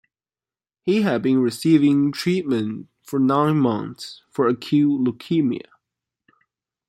He had been receiving treatment for nine months for acute leukaemia.